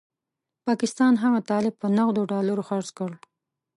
پاکستان هغه طالب په نغدو ډالرو خرڅ کړ.